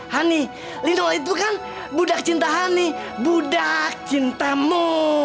hani lino itu kan budak cinta hani budak cintamu